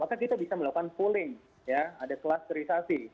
maka kita bisa melakukan pooling ada klasterisasi